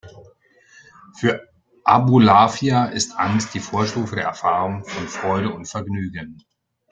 Für Abulafia ist Angst die Vorstufe der Erfahrung von Freude und Vergnügen.